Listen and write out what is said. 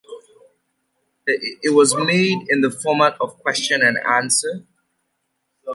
It was made in the format of question and answer.